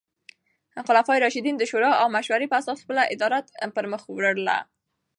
خلفای راشدین د شورا او مشورې په اساس خپله اداره پر مخ وړله.